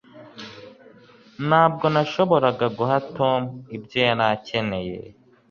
Ntabwo nashoboraga guha Tom ibyo yari akeneye